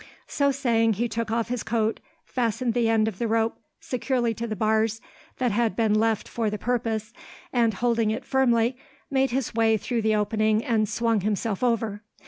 So saying, he took off his coat, fastened the end of the rope securely to the bars that had been left for the purpose, and, holding it firmly, made his way through the opening and swung himself over.